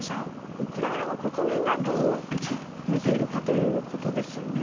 ウクライナの国民がどう見ているかということですよね。